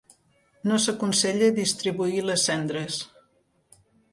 No s'aconsella distribuir les cendres.